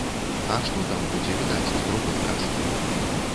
А што там будзе відаць з другой казкі?